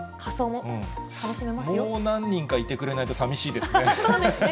もう何人かいてくれないとさみしいですね。